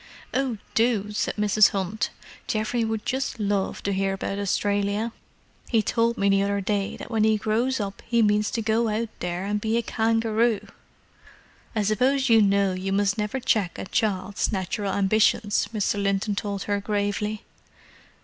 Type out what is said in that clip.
"Oh, do," said Mrs. Hunt. "Geoff would just love to hear about Australia. He told me the other day that when he grows up he means to go out there and be a kangaroo!" "I suppose you know you must never check a child's natural ambitions!" Mr. Linton told her gravely.